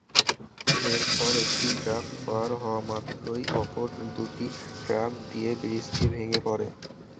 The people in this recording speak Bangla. এরপর একটি ট্রাক পার হওয়ামাত্রই অপর দুটি ট্রাক নিয়ে ব্রিজটি ভেঙে পড়ে।